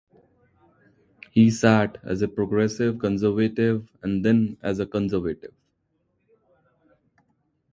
He sat as a Progressive Conservative and then as a Conservative.